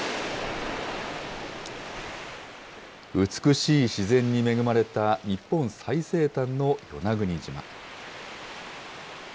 美しい自然に恵まれた日本最西端の与那国島。